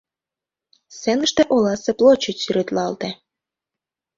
Сценыште оласе площадь сӱретлалте.